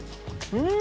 うん！